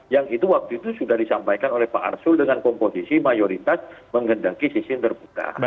yang itu waktu itu sudah disampaikan oleh pak arsul dengan komposisi mayoritas menggendangki sisi yang terbuka